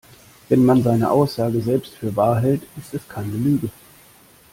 Wenn man seine Aussage selbst für wahr hält, ist es keine Lüge.